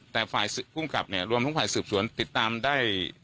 แต่ฝ่ายภูมิกับเนี่ยรวมทั้งฝ่ายสืบสวนติดตามได้